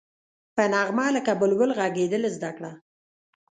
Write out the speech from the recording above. په نغمه لکه بلبل غږېدل زده کړه.